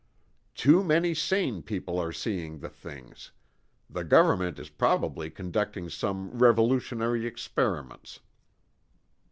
"Too many sane people are seeing the things. The government is probably conducting some revolutionary experiments."